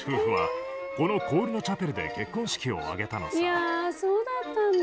いやそうだったんだ。